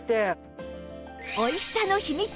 おいしさの秘密！